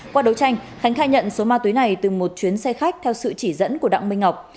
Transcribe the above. qua đấu tranh khánh khai nhận số ma túy này từ một chuyến xe khách theo sự chỉ dẫn của đặng minh ngọc